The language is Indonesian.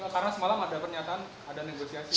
karena semalam ada pernyataan ada negosiasi